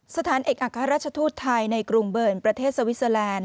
สถานเอกอัครราชทูตไทยในกรุงเบิร์นประเทศสวิสเตอร์แลนด์